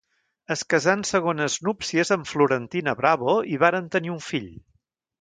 Es casà en segones núpcies amb Florentina Bravo i varen tenir un fill.